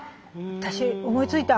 私思いついた。